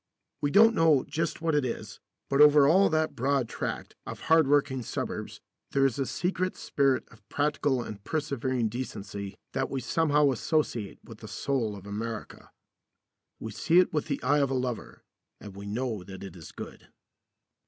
We don't know just what it is, but over all that broad tract of hardworking suburbs there is a secret spirit of practical and persevering decency that we somehow associate with the soul of America. We see it with the eye of a lover, and we know that it is good.